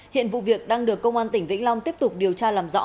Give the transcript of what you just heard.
hiện vụ việc đang được công an tỉnh vĩnh long tiếp tục điều tra làm rõ